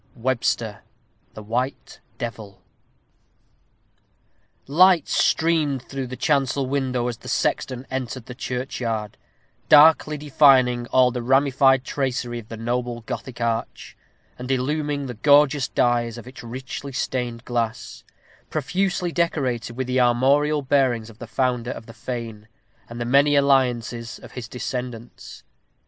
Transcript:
WEBSTER: The White Devil. Lights streamed through the chancel window as the sexton entered the churchyard, darkly defining all the ramified tracery of the noble Gothic arch, and illumining the gorgeous dyes of its richly stained glass, profusely decorated with the armorial bearings of the founder of the fane, and the many alliances of his descendants.